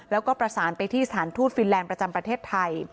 แล้วก็ประสานไปที่สถานทูตฟินแลนด์ประจำประเทศไทย